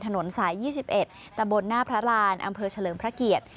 ถนนสาย๒๑ตำบลหน้าพระรานอำเภอเฉลิมพระเกียรติ